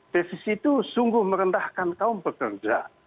devis itu sungguh merendahkan kaum pekerja